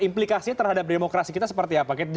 implikasi terhadap demokrasi kita seperti apa